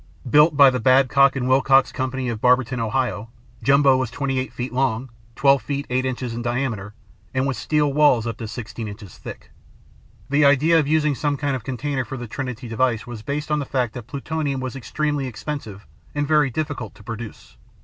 Built by the Babcock and Wilcox Company of Barberton, Ohio, Jumbo was 28 feet long, 12 feet, 8 inches in diameter, and with steel walls up to 16 inches thick. The idea of using some kind of container for the Trinity device was based on the fact that plutonium was extremely expensive and very difficult to produce.